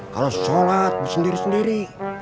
kalau sholat sendiri sendiri